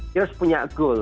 kita harus punya goal